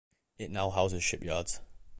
It now houses shipyards.